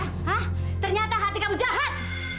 hah ternyata hati kamu jahat